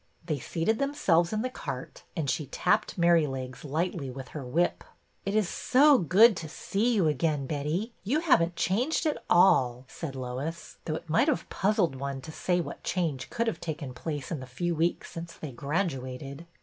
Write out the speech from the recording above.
They seated themselves in the cart, and she tapped Merrylegs lightly with her whip. It is so good to see you again, Betty. You haven't changed at all," said Lois, though it might have puzzled one to say what change could have taken place in the few weeks since they graduated.